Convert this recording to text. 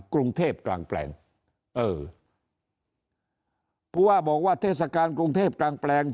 กรุงเทพกลางแปลงเออผู้ว่าบอกว่าเทศกาลกรุงเทพกลางแปลง